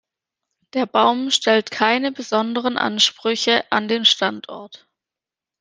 Der Baum stellt keine besonderen Ansprüche an den Standort.